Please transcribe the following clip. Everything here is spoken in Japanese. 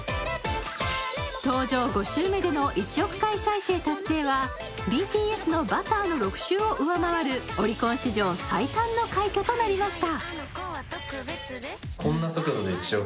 登場５週目での１億回再生達成はＢＴＳのバターの６週を上回るオリコン史上最短の快挙となりました。